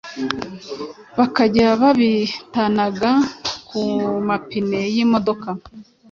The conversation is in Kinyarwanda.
bakajya babitanaga ku mapine y’imodoka,